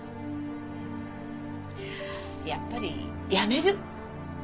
やっぱりやめる。